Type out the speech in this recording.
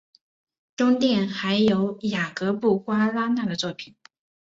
中殿还有雅格布瓜拉纳的作品。